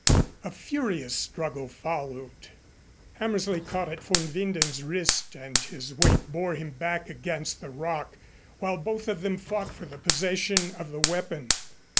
A furious struggle followed. Hammersley caught at von Winden's wrist and his weight bore him back against the rock, while both of them fought for the possession of the weapon.